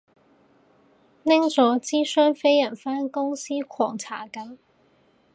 拎咗支雙飛人返公司狂搽緊